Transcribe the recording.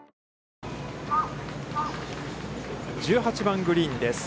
１８番グリーンです。